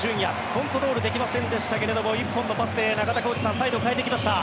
コントロールできませんでしたが１本のパスで中田浩二さんサイドを変えてきました。